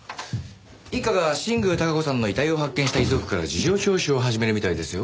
一課が新宮孝子さんの遺体を発見した遺族から事情聴取を始めるみたいですよ。